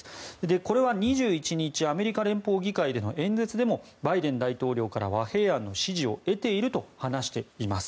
これは２１日アメリカ連邦議会での演説でもバイデン大統領から和平案の支持を得ていると話しています。